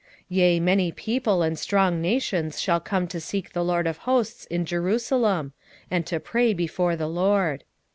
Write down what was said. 8:22 Yea, many people and strong nations shall come to seek the LORD of hosts in Jerusalem, and to pray before the LORD.